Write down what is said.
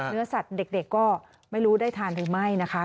เนื้อสัตว์เด็กก็ไม่รู้ได้ทานหรือไม่นะคะ